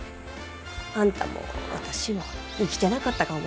あんたも私も生きてなかったかもしれん。